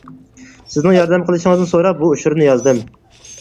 سىزنىڭ ياردەم قىلىشىڭىزنى سوراپ بۇ ئۇچۇرنى يازدىم.